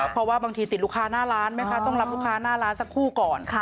เพราะว่าบางทีติดลูกค้าหน้าร้านไหมคะต้องรับลูกค้าหน้าร้านสักคู่ก่อน